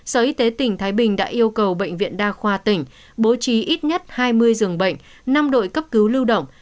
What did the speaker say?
sở y tế tỉnh thái bình đã yêu cầu bệnh viện đa khoa tỉnh bố trí ít nhất hai mươi dường bệnh năm đội cấp cứu lưu động